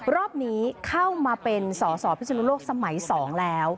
รอบนี้เข้ามาเป็นสอสอพิศนุโลกสมัย๒แล้ว